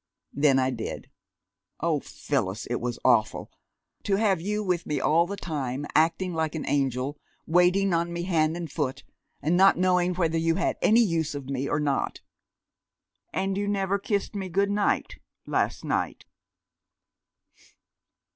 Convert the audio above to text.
Then I did. Oh, Phyllis, it was awful! To have you with me all the time, acting like an angel, waiting on me hand and foot, and not knowing whether you had any use for me or not!... And you never kissed me good night last night."